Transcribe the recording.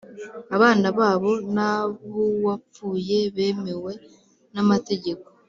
abana babo n ab uwapfuye bemewe nam tegeko